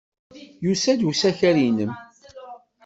Yusa-d usakal-nnem.